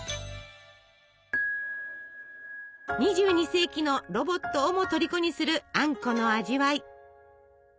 ２２世紀のロボットをもとりこにするあんこの味わい。